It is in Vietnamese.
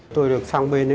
tôi được sang bên